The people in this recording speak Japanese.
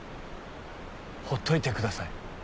ほっといてください。